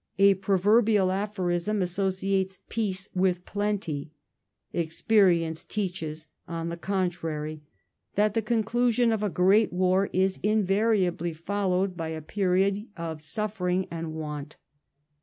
A proverbial aphorism j°[^g[J.g'gg associates "Peace" with "Plenty"; experience teaches, on the contrary, that the conclusion of a great war is invariably followed by a period of suffering and want.